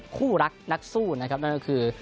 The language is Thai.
คู่รักนักสู้นะครับนั่นก็คือ